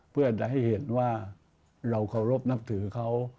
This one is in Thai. เพื่อที่ได้เห็นว่าเรารบนับถือเค้า